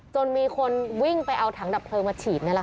จนมีคนวิ่งไปเอาถังดับเพลิงมาฉีดนี่แหละค่ะ